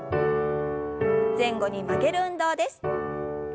前後に曲げる運動です。